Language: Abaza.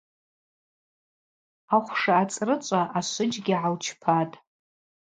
Ахвша ацӏрычӏва ашвыджьгьи гӏалчпатӏ.